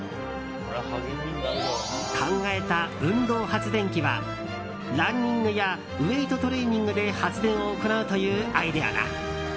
考えた「うんどうはつでんき」はランニングやウェートトレーニングで発電を行うというアイデアだ。